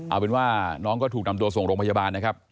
เอาเป็นว่าน้องก็ถูกนำตัวส่งโรงพยาบาลนะครับ